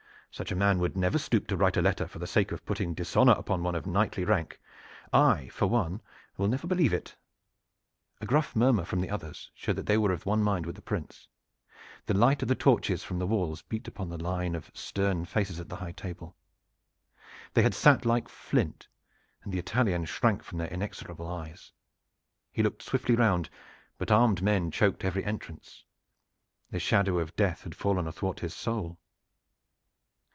Such a man would never stoop to write a letter for the sake of putting dishonor upon one of knightly rank. I, for one, will never believe it." A gruff murmur from the others showed that they were of one mind with the Prince. The light of the torches from the walls beat upon the line of stern faces at the high table. They had sat like flint, and the Italian shrank from their inexorable eyes. He looked swiftly round, but armed men choked every entrance. The shadow of death had fallen athwart his soul.